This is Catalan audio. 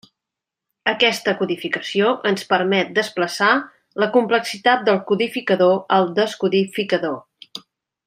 Aquesta codificació ens permet desplaçar la complexitat del codificador al descodificador.